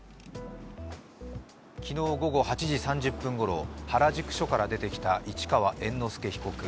昨日午後８時３０分ごろ、原宿署から出てきた市川猿之助被告。